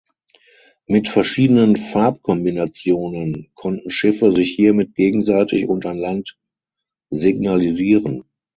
Mit verschiedenen Farbkombinationen konnten Schiffe sich hiermit gegenseitig und an Land signalisieren.